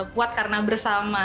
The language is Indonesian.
kuat karena bersama